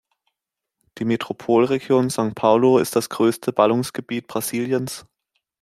Die Metropolregion São Paulo ist das größte Ballungsgebiet Brasiliens.